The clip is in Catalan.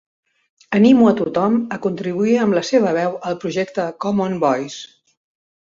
Animo a tothom a contribuir amb la seva veu al projecte Common Voice.